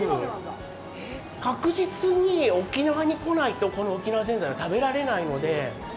確実に沖縄に来ないとこの沖縄ぜんざいは食べられないので。